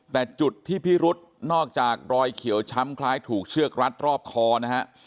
แต่จุดที่พิรุษนอกจากรอยเขียวช้ำคล้ายถูกเชือกรัดรอบคอนะฮะ